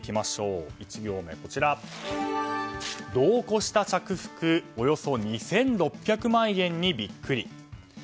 １行目、度を越した着服およそ２６００万円にビックリ。